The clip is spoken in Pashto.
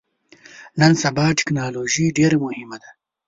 نن سبا ټکنالوژي ډیره مهمه ده